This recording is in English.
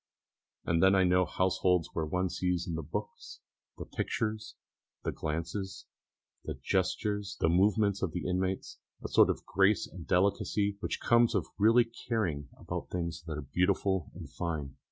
And then I know households where one sees in the books, the pictures, the glances, the gestures, the movements of the inmates, a sort of grace and delicacy which comes of really caring about things that are beautiful and fine.